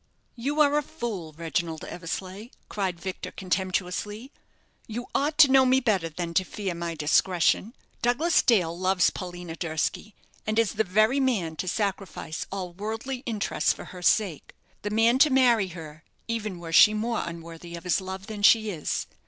"You are a fool, Reginald Eversleigh," cried Victor contemptuously; "you ought to know me better than to fear my discretion. Douglas Dale loves Paulina Durski, and is the very man to sacrifice all worldly interests for her sake; the man to marry her, even were she more unworthy of his love than she is.